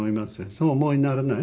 そうお思いにならない？